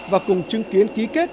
và cùng chứng kiến ký kết